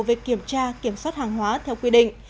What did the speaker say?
về kiểm tra kiểm soát hàng hóa theo quy định